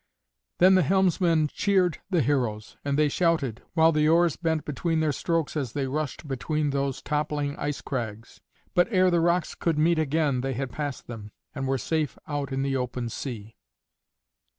Then the helmsman cheered the heroes, and they shouted, while the oars bent beneath their strokes as they rushed between those toppling ice crags. But ere the rocks could meet again they had passed them, and were safe out in the open sea.